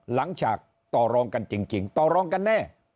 หลังจากต่อรองกันจริงต่อรองกันแน่